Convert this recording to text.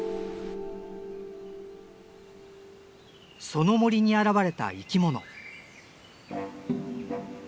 その森に現れた生き物。